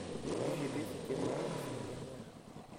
L'UGB s'était réunie la semaine dernière.